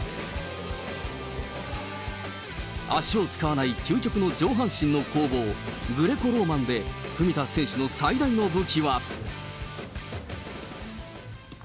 足を使わない究極の上半身の攻防、グレコローマンで、文田選手の最大の武器は。